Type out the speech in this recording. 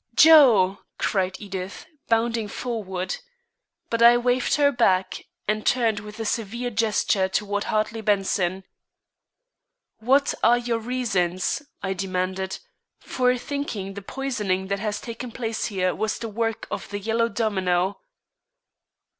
"Joe!" cried Edith, bounding forward. But I waved her back, and turned with a severe gesture toward Hartley Benson. "What are your reasons," I demanded, "for thinking the poisoning that has taken place here was the work of the Yellow Domino?"